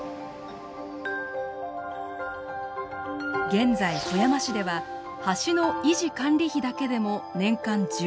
現在富山市では橋の維持管理費だけでも年間１７億円。